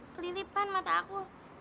kelilipan mata aku